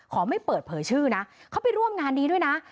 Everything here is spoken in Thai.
ไม่เปิดเผยชื่อนะเขาไปร่วมงานนี้ด้วยนะ